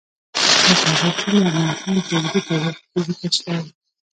د کابل سیند د افغانستان په اوږده تاریخ کې ذکر شوی.